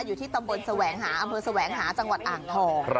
อยู่ที่ตำบลแสวงหาอำเภอแสวงหาจังหวัดอ่างทอง